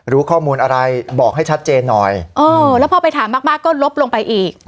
รู้ข้อมูลอะไรบอกให้ชัดเจนหน่อยเออแล้วพอไปถามมากมากก็ลบลงไปอีก